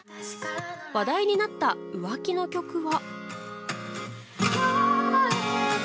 話題になった浮気の曲は。